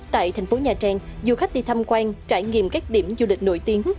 tại thành phố nhà trang du khách đi tham quan trải nghiệm các điểm du lịch nổi tiếng